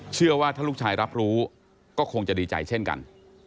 เชื่อว่าถ้าลูกชายรับรู้ก็คงจะดีใจเช่นกัน